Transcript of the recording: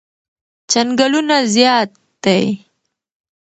چنگلونه زیاد دی